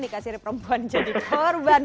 nikah siri perempuan jadi korban